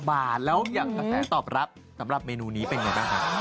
๕๑๙บาทแล้วอยากตอบรับสำหรับเมนูนี้เป็นยังไงคะ